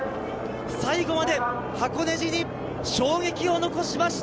最後まで箱根路に衝撃を残しました！